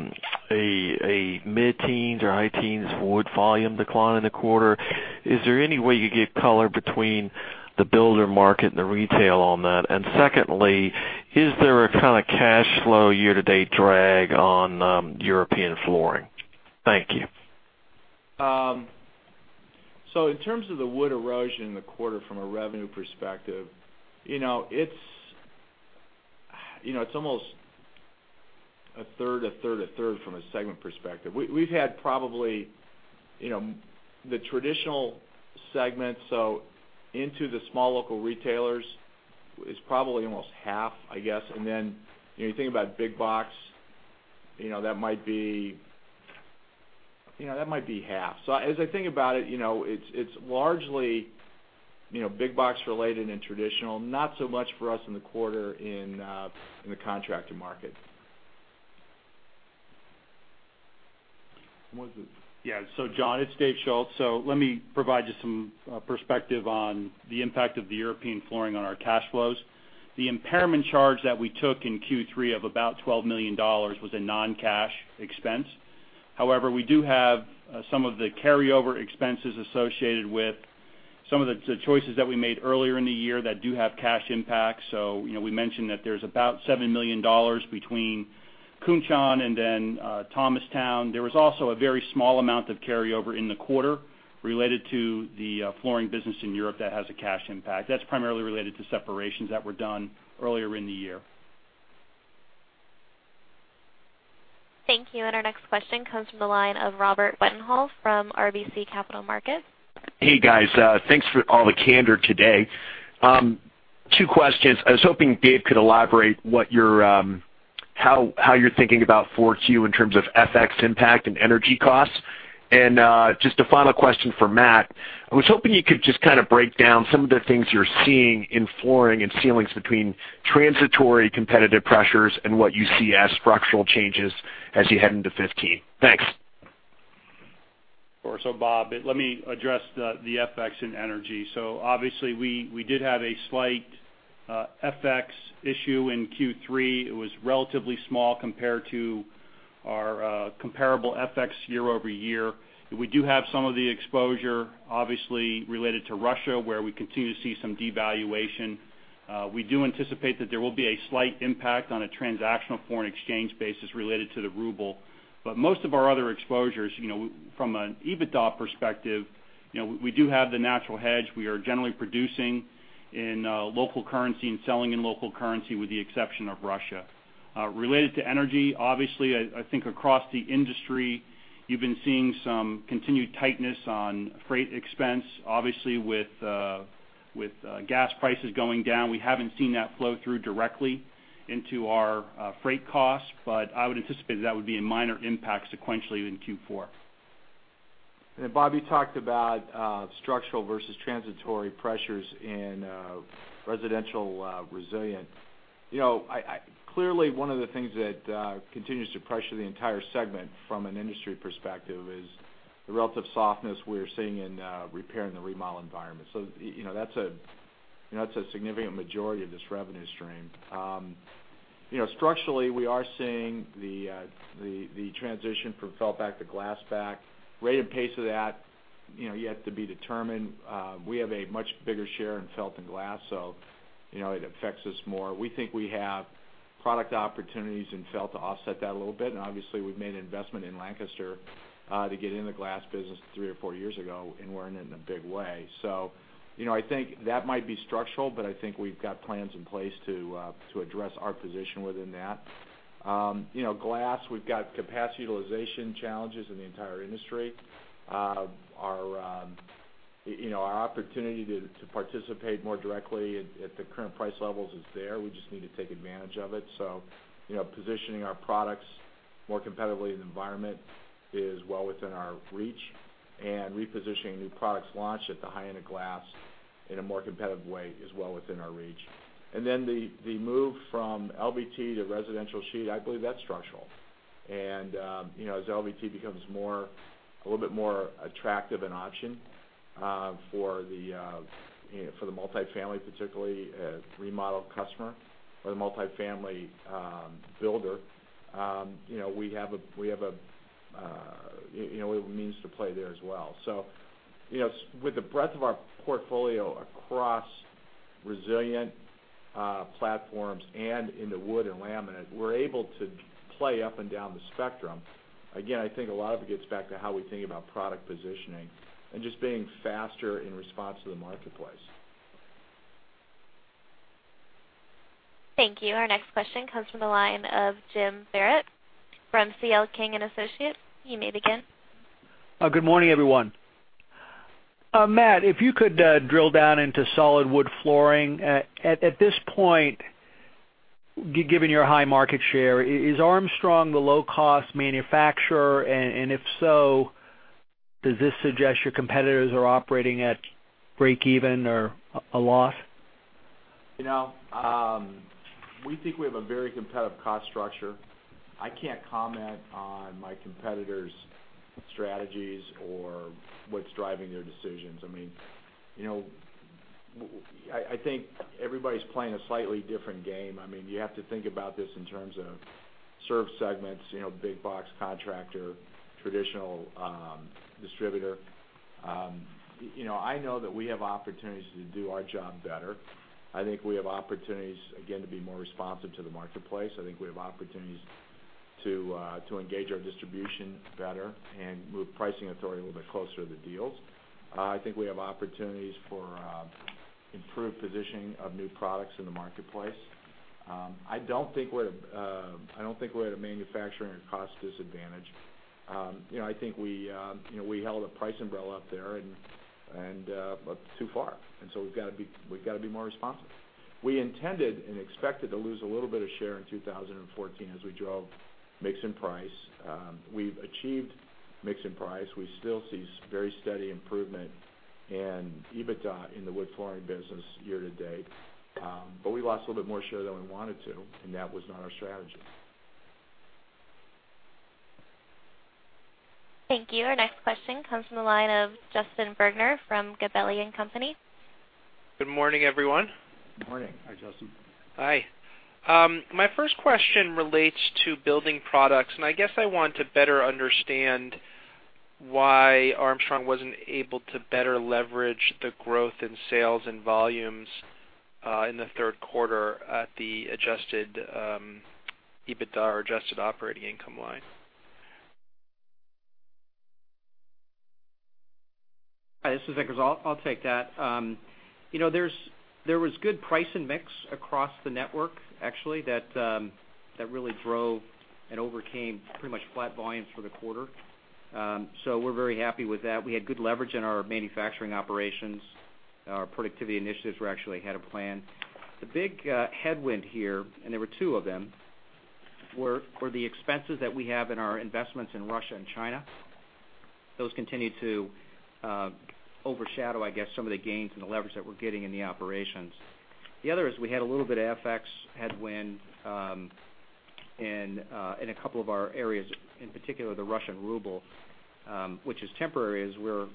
mid-teens or high teens wood volume decline in the quarter. Is there any way you could give color between the builder market and the retail on that? Secondly, is there a kind of cash flow year-to-date drag on European flooring? Thank you. In terms of the wood erosion in the quarter from a revenue perspective, it's almost a third, a third, a third from a segment perspective. We've had probably the traditional segment, so into the small local retailers is probably almost half, I guess. Then, you think about big box, that might be half. As I think about it's largely big box related and traditional, not so much for us in the quarter in the contractor market. Yeah. John, it's Dave Schulz. Let me provide you some perspective on the impact of the European flooring on our cash flows. The impairment charge that we took in Q3 of about $12 million was a non-cash expense. However, we do have some of the carryover expenses associated with some of the choices that we made earlier in the year that do have cash impact. We mentioned that there's about $7 million between Kunshan and then Thomastown. There was also a very small amount of carryover in the quarter related to the flooring business in Europe that has a cash impact. That's primarily related to separations that were done earlier in the year. Thank you. Our next question comes from the line of Robert Wetenhall from RBC Capital Markets. Hey, guys. Thanks for all the candor today. Two questions. I was hoping Dave could elaborate how you're thinking about 4Q in terms of FX impact and energy costs. Just a final question for Matt. I was hoping you could just kind of break down some of the things you're seeing in flooring and ceilings between transitory competitive pressures and what you see as structural changes as you head into 2015. Thanks. Sure. Bob, let me address the FX and energy. Obviously, we did have a slight FX issue in Q3. It was relatively small compared to our comparable FX year-over-year. We do have some of the exposure, obviously, related to Russia, where we continue to see some devaluation. We do anticipate that there will be a slight impact on a transactional foreign exchange basis related to the ruble. Most of our other exposures, from an EBITDA perspective, we do have the natural hedge. We are generally producing in local currency and selling in local currency with the exception of Russia. Related to energy, obviously, I think across the industry, you've been seeing some continued tightness on freight expense. Obviously, with gas prices going down, we haven't seen that flow through directly into our freight costs, but I would anticipate that would be a minor impact sequentially in Q4. Bob, you talked about structural versus transitory pressures in residential resilient. Clearly, one of the things that continues to pressure the entire segment from an industry perspective is the relative softness we're seeing in repair and the remodel environment. That's a significant majority of this revenue stream. Structurally, we are seeing the transition from felt back to glass back. Rate and pace of that, yet to be determined. We have a much bigger share in felt than glass, so it affects us more. We think we have product opportunities in felt to offset that a little bit. Obviously, we've made an investment in Lancaster, to get in the glass business 3 or 4 years ago, and we're in it in a big way. I think that might be structural, but I think we've got plans in place to address our position within that. Glass, we've got capacity utilization challenges in the entire industry. Our opportunity to participate more directly at the current price levels is there. We just need to take advantage of it. Positioning our products more competitively in the environment is well within our reach, and repositioning new products launch at the high end of glass in a more competitive way is well within our reach. The move from LVT to residential sheet, I believe that's structural. As LVT becomes a little bit more attractive an option, for the multi-family, particularly remodeled customer or the multi-family builder, we have a means to play there as well. With the breadth of our portfolio across resilient platforms and into wood and laminate, we're able to play up and down the spectrum. Again, I think a lot of it gets back to how we think about product positioning and just being faster in response to the marketplace. Thank you. Our next question comes from the line of James Barrett from C.L. King & Associates. You may begin. Good morning, everyone. Matt, if you could drill down into solid wood flooring. If so, does this suggest your competitors are operating at break-even or a loss? We think we have a very competitive cost structure. I can't comment on my competitors' strategies or what's driving their decisions. I think everybody's playing a slightly different game. You have to think about this in terms of served segments, big box contractor, traditional distributor. I know that we have opportunities to do our job better. I think we have opportunities, again, to be more responsive to the marketplace. I think we have opportunities to engage our distribution better and move pricing authority a little bit closer to the deals. I think we have opportunities for improved positioning of new products in the marketplace. I don't think we're at a manufacturing or cost disadvantage. I think we held a price umbrella up there but too far, and so we've got to be more responsive. We intended and expected to lose a little bit of share in 2014 as we drove mix and price. We've achieved mix and price. We still see very steady improvement in EBITDA in the wood flooring business year to date. We lost a little bit more share than we wanted to, and that was not our strategy. Thank you. Our next question comes from the line of Justin Bergner from Gabelli & Company. Good morning, everyone. Good morning. Hi, Justin. Hi. My first question relates to building products, and I guess I want to better understand why Armstrong wasn't able to better leverage the growth in sales and volumes, in the third quarter at the adjusted EBITDA or adjusted operating income line. Hi, this is Vic Grizzle. I'll take that. There was good price and mix across the network, actually, that really drove and overcame pretty much flat volumes for the quarter. We're very happy with that. We had good leverage in our manufacturing operations. Our productivity initiatives were actually ahead of plan. The big headwind here, and there were two of them, were the expenses that we have in our investments in Russia and China. Those continue to overshadow, I guess, some of the gains and the leverage that we're getting in the operations. The other is we had a little bit of FX headwind in a couple of our areas, in particular, the Russian ruble, which is temporary as we're,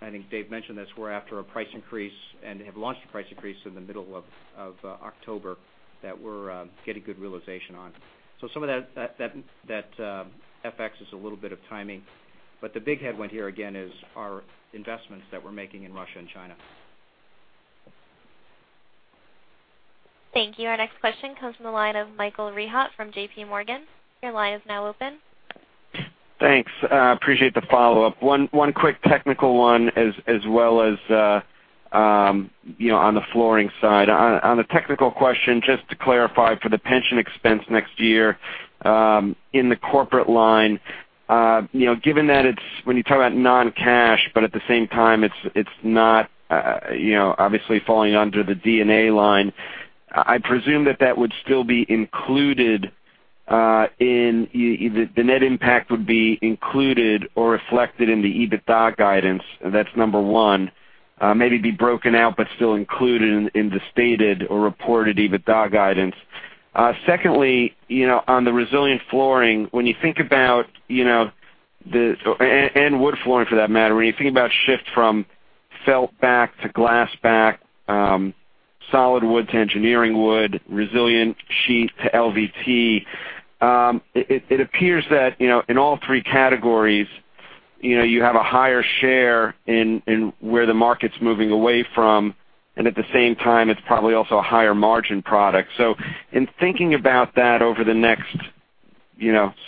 I think Dave mentioned this, we're after a price increase and have launched a price increase in the middle of October that we're getting good realization on. Some of that FX is a little bit of timing, but the big headwind here again is our investments that we're making in Russia and China. Thank you. Our next question comes from the line of Michael Rehaut from J.P. Morgan. Your line is now open. Thanks. Appreciate the follow-up. One quick technical one as well as on the flooring side. On the technical question, just to clarify for the pension expense next year, in the corporate line, given that it's, when you talk about non-cash, but at the same time it's not obviously falling under the D&A line, I presume that would still be included in the net impact would be included or reflected in the EBITDA guidance. That's number one. Maybe be broken out, but still included in the stated or reported EBITDA guidance. Secondly, on the resilient flooring, when you think about the and wood flooring for that matter, when you think about shift from Felt-backed to glass-backed, solid wood to engineered wood, resilient sheet to LVT. It appears that, in all three categories, you have a higher share in where the market's moving away from, and at the same time, it's probably also a higher margin product. In thinking about that over the next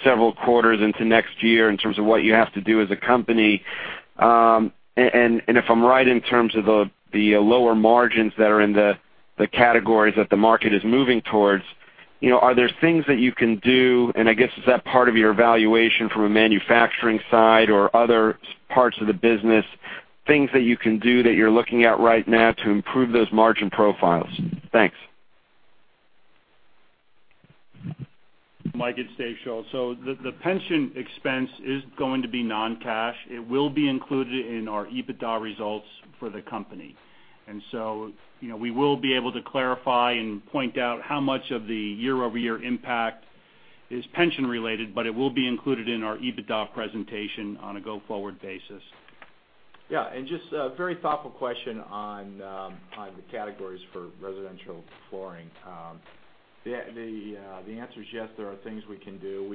several quarters into next year in terms of what you have to do as a company, and if I'm right in terms of the lower margins that are in the categories that the market is moving towards, are there things that you can do? I guess, is that part of your evaluation from a manufacturing side or other parts of the business, things that you can do that you're looking at right now to improve those margin profiles? Thanks. Mike, it's Dave Schulz. The pension expense is going to be non-cash. It will be included in our EBITDA results for the company. We will be able to clarify and point out how much of the year-over-year impact is pension-related, but it will be included in our EBITDA presentation on a go-forward basis. Just a very thoughtful question on the categories for residential flooring. The answer is yes, there are things we can do.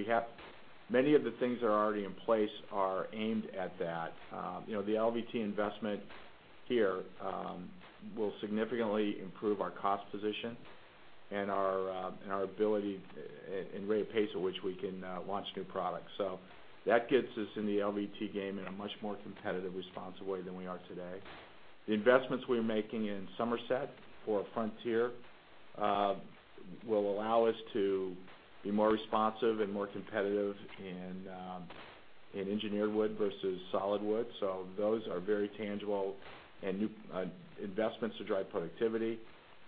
Many of the things that are already in place are aimed at that. The LVT investment here will significantly improve our cost position and our ability and rate of pace at which we can launch new products. That gets us in the LVT game in a much more competitive, responsive way than we are today. The investments we're making in Somerset for Frontier will allow us to be more responsive and more competitive in engineered wood versus solid wood. Those are very tangible and new investments to drive productivity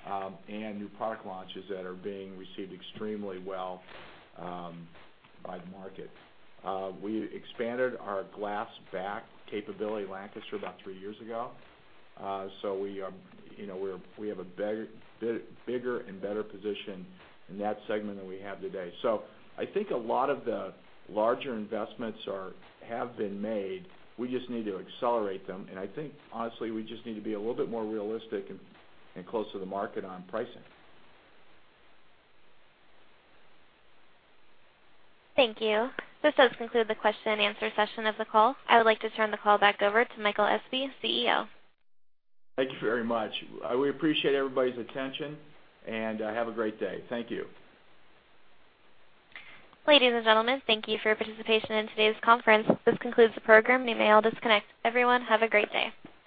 and new product launches that are being received extremely well by the market. We expanded our glass back capability in Lancaster about three years ago. We have a bigger and better position in that segment than we have today. I think a lot of the larger investments have been made. We just need to accelerate them. I think, honestly, we just need to be a little bit more realistic and close to the market on pricing. Thank you. This does conclude the question and answer session of the call. I would like to turn the call back over to Matt Espe, CEO. Thank you very much. We appreciate everybody's attention. Have a great day. Thank you. Ladies and gentlemen, thank you for your participation in today's conference. This concludes the program. You may all disconnect. Everyone, have a great day.